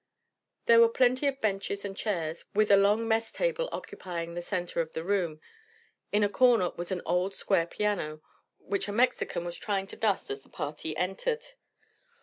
There were plenty of benches and chairs, with a long mess table occupying the center of the room. In a corner was an old square piano, which a Mexican was trying to dust as the party entered.